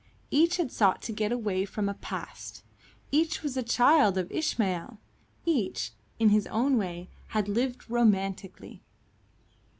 each had sought to get away from a past, each was a child of Ishmael, each, in his own way, had lived romantically.